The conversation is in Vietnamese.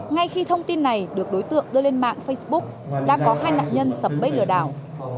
ngay khi thông tin này được đối tượng đưa lên mạng facebook đã có hai nạn nhân sập bẫy lừa đảo